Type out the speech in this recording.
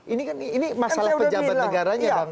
ini kan ini masalah pejabat negaranya bang